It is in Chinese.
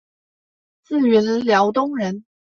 自云辽东人。